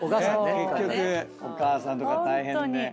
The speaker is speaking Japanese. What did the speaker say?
結局お母さんとか大変で。